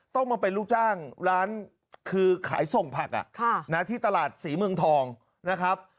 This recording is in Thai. ต้องมาเป็นลูกจ้างร้านคือขายส่งผักที่ตลาดศรีเมืองทองนะครับ